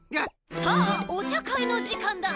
さあおちゃかいのじかんだ。